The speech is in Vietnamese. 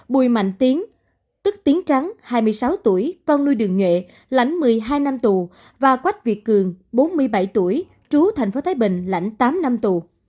bùi mạnh tiến tức tiến trắng hai mươi sáu tuổi con nuôi đường nhuệ lãnh một mươi hai năm tù và quách việt cường bốn mươi bảy tuổi trú tp thái bình lãnh tám năm tù